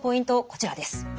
こちらです。